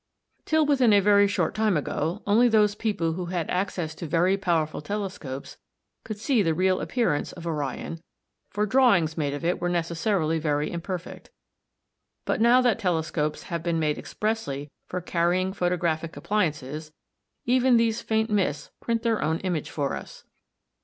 ] Till within a very short time ago only those people who had access to very powerful telescopes could see the real appearance of Orion, for drawings made of it were necessarily very imperfect; but now that telescopes have been made expressly for carrying photographic appliances, even these faint mists print their own image for us.